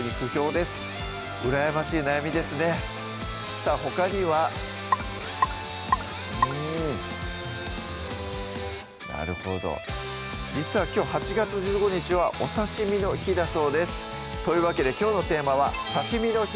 さぁほかにはうんなるほど実はきょう８月１５日はお刺身の日だそうですというわけできょうのテーマは「刺身の日！